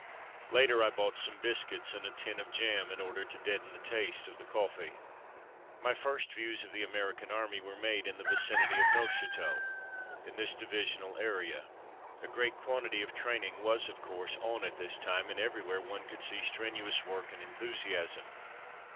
Later, I bought some biscuits and a tin of jam in order to deaden the taste of the coffee. My first views of the American Army were made in the vicinity of Neuf chateau, in this divisional area. A great quantity of train ing was, of course, on at this time, and every where one could see strenuous work and enthusiasm.